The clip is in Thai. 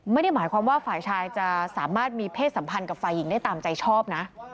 ไม่ได้หมายความว่าฝ่ายชายจะสามารถมีเพศสัมพันธ์กับฝ่ายหญิงได้ตามใจชอบนะ